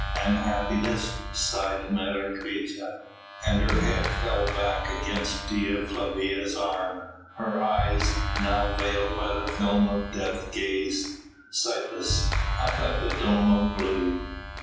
"And happiness?" sighed Menecreta. And her head fell back against Dea Flavia's arm; her eyes, now veiled by the film of death gazed, sightless, up at the dome of blue.